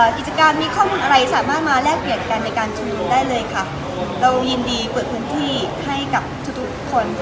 กิจการมีข้อมูลอะไรสามารถมาแลกเปลี่ยนกันในการชุมนุมได้เลยค่ะเรายินดีเปิดพื้นที่ให้กับทุกทุกคน